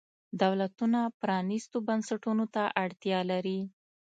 دولتونه پرانیستو بنسټونو ته اړتیا لري.